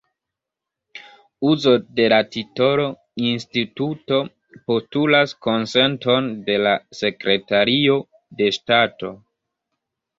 Uzo de la titolo 'Instituto' postulas konsenton de la Sekretario de Ŝtato.